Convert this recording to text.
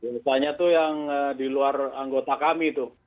misalnya itu yang di luar anggota kami itu